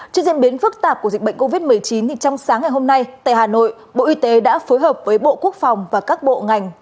trước diễn biến phức tạp của dịch bệnh covid một mươi chín trong sáng ngày hôm nay tại hà nội bộ y tế đã phối hợp với bộ quốc phòng và các bộ ngành